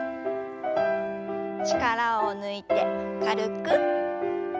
力を抜いて軽く。